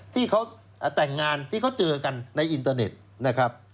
ที่เขาแต่งงานที่เขาเจอกันในอินเตอร์เน็ตนะครับ